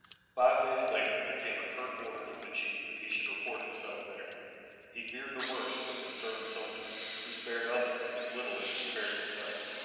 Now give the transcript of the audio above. Five days later there came a curt order from the chief that he should report himself there. He feared the worst from the stern soldier, who spared others as little as he spared himself.